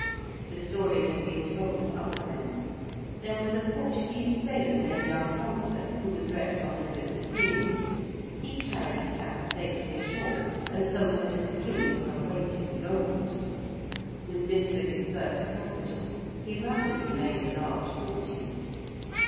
The story has been told of other men. There was a Portuguese sailor, named Alphonso, who was wrecked on the Coast of Guinea. He carried a cat safely ashore and sold her to the King for her weight in gold: with this for his first capital he rapidly made a large fortune.